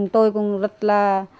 tôi cũng rất là